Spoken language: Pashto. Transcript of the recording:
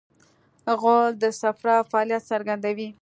غول د صفرا فعالیت څرګندوي.